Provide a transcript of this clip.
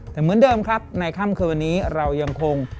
แต่เหมือนเดิมครับในค่ำคืนวันนี้เรายังคง